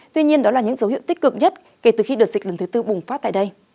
tuy nhiên đó là những dấu hiệu tích cực nhất kể từ khi đợt dịch lần thứ tư bùng phát tại đây